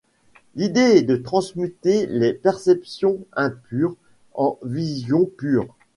L’idée est de transmuter les perceptions impures en visions pures.